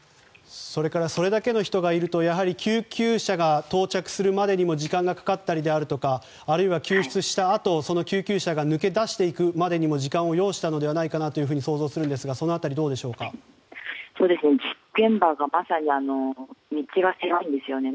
それだけの人がいると救急車が到着するまでにも時間がかかったりであるとかあるいは救出したあと救急車が抜け出していくにも時間を要したのではないかと想像するのですがその辺りはどうでしょうか事故現場が道が狭いんですよね。